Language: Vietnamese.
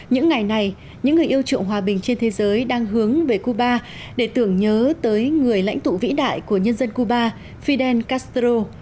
những ngày này những người yêu trụng hòa bình trên thế giới đang hướng về cuba để tưởng nhớ tới người lãnh tụ vĩ đại của nhân dân cuba fidel castro